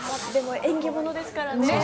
縁起物ですからね。